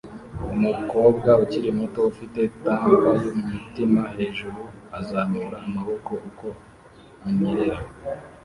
Umukobwa ukiri muto ufite tank yumutima hejuru azamura amaboko uko anyerera